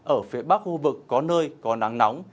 ở phía bắc khu vực có nơi có nắng nóng